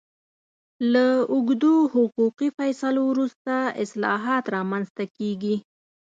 له اوږدو حقوقي فیصلو وروسته اصلاحات رامنځته کېږي.